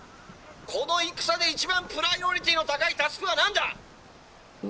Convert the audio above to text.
この戦で一番プライオリティーの高いタスクは何だ？」。えっえ？